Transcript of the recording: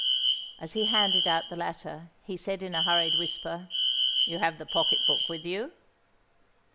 As he handed out the latter, he said, in a hurried whisper, "You have the pocket book with you?"